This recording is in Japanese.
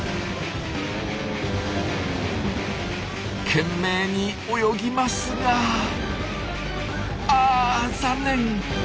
懸命に泳ぎますがあ残念。